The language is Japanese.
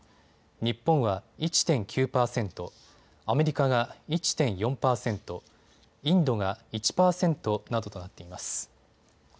日本は１．９％、アメリカが１．４％、インドが１％などとなっています。